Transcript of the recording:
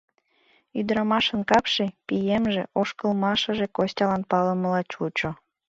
Ӱдрамашын капше, пиемже, ошкылмашыже Костялан палымыла чучо.